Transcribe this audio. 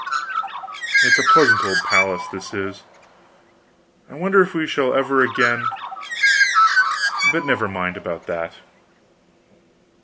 It's a pleasant old palace, this is; I wonder if we shall ever again but never mind about that."